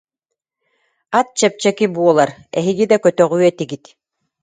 Ат чэпчэки буолар, эһиги да көтөҕүө этигит»